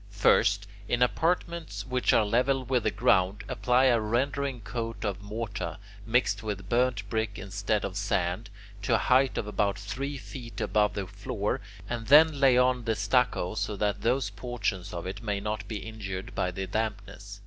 First, in apartments which are level with the ground, apply a rendering coat of mortar, mixed with burnt brick instead of sand, to a height of about three feet above the floor, and then lay on the stucco so that those portions of it may not be injured by the dampness.